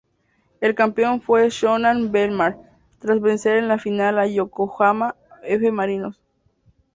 El campeón fue Shonan Bellmare, tras vencer en la final a Yokohama F. Marinos.